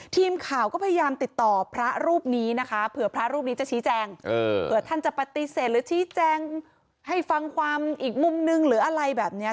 ทีมข่าวก็พยายามติดต่อพระรูปนี้นะคะเผื่อพระรูปนี้จะชี้แจงเผื่อท่านจะปฏิเสธหรือชี้แจงให้ฟังความอีกมุมนึงหรืออะไรแบบนี้